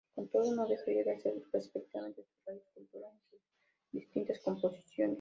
Con todo, no dejaría de hacer perceptible su raíz cultural en sus distintas composiciones.